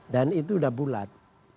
dan itu udah bulat